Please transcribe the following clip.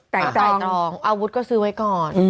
แต่ไตรตรองอาวุธก็ซื้อไว้ก่อน